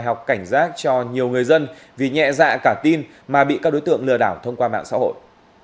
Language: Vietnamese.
học cảnh giác cho nhiều người dân vì nhẹ dạ cả tin mà bị các đối tượng lừa đảo thông qua mạng xã hội